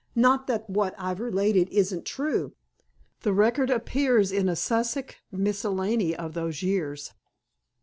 "Not that what I've related isn't true. The record appears in a Sussex Miscellany of those years....